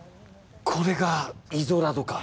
これがイゾラドか。